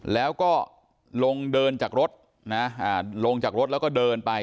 แล้วก็ลงเดินจากรถนะลงจากรถแล้วก็เดินไป